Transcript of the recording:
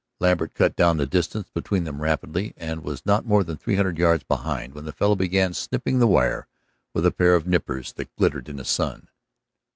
Lambert cut down the distance between them rapidly, and was not more than three hundred yards behind when the fellow began snipping the wire with a pair of nippers that glittered in the sun.